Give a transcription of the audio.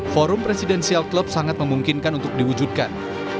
forum presidensial club sangat memungkinkan untuk diwujudkan